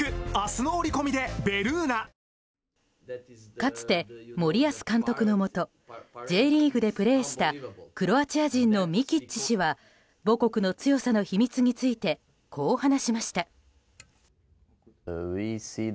かつて森保監督のもとＪリーグでプレーしたクロアチア人のミキッチ氏は母国の強さの秘密についてこう話しました。